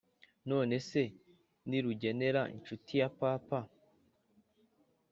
nonese ni rugenera inshuti yapapa?